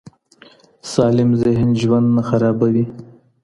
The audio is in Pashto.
سالم ذهن ژوند نه خرابوي.